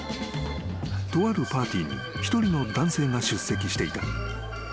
［とあるパーティーに一人の男性が出席していた］